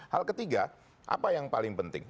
hal ketiga apa yang paling penting